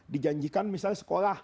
dijanjikan misalnya sekolah